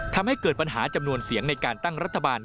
ทำให้เกิดปัญหาจำนวนเสียงในการตั้งรัฐบาล